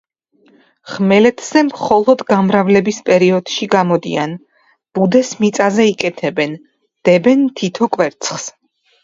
ხმელეთზე მხოლოდ გამრავლების პერიოდში გამოდიან, ბუდეს მიწაზე იკეთებენ, დებენ თითო კვერცხს.